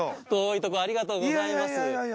遠い所ありがとうございます。